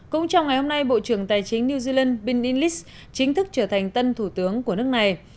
cũng trong ngày hôm nay bộ trưởng tài chính new zealand bin illis chính thức trở thành tân thủ tướng của nước này